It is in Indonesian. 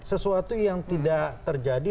sesuatu yang tidak terjadi